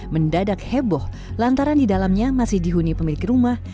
mendadak heboh lantaran di dalamnya masih dihuni pemilik rumah